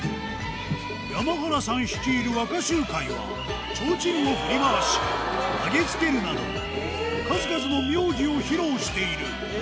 山原さん率いる若衆会は、提灯を振り回し投げつけるなど、数々の妙技を披露している。